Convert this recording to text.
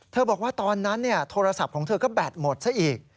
บอกว่าตอนนั้นโทรศัพท์ของเธอก็แบตหมดซะอีก